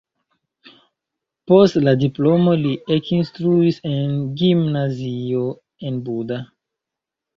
Post la diplomo li ekinstruis en gimnazio en Buda.